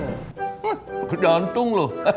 pake jantung lo